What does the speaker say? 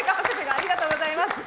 ありがとうございます。